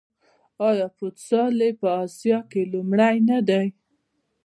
آیا فوټسال یې په اسیا کې لومړی نه دی؟